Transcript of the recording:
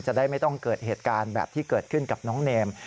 จะได้ไม่ต้องเกิดเหตุการณ์แบบที่เกิดขึ้นกับน้องเนม